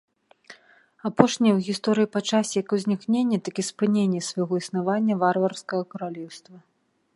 Апошняе ў гісторыі па часе як узнікнення, так і спынення свайго існавання варварскае каралеўства.